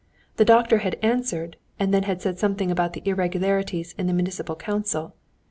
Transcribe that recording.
The doctor had answered and then had said something about the irregularities in the municipal council.